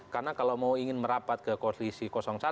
karena kalau mau ingin merapat ke koalisi satu